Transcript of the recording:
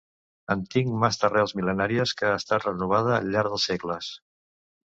Antic mas d'arrels mil·lenàries que ha estat renovada al llarg dels segles.